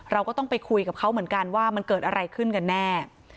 เราก็ต้องไปคุยกับเขาเหมือนกันว่ามันเกิดอะไรขึ้นกันแน่